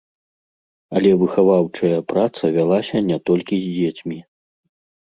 Але выхаваўчая праца вялася не толькі з дзецьмі.